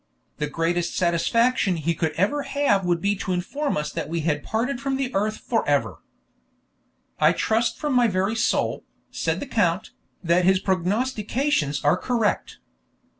The greatest satisfaction he could have would be to inform us that we had parted from the earth for ever." "I trust from my very soul," said the count, "that his prognostications are correct."